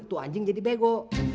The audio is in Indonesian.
tuh anjing jadi bego